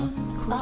あ！